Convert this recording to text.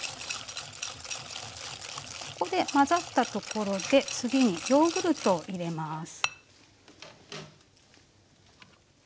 ここで混ざったところで次にヨーグルトを入れます。